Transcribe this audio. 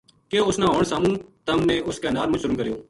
کہیو اس نا ہن ساموں تم نے اس کے نال مُچ ظلم کریو